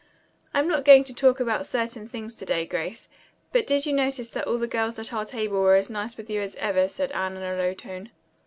"I'm not going to talk about certain things to day, Grace, but did you notice that all the girls at our table were as nice with you as ever?" said Anne in a low tone.